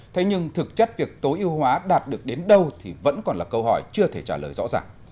thế nhưng thực chất việc tối ưu hóa đạt được đến đâu thì vẫn còn là câu hỏi chưa thể trả lời rõ ràng